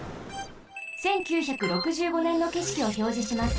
１９６５ねんのけしきをひょうじします。